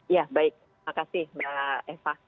ya baik makasih mbak eva